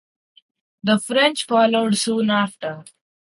The French followed soon after.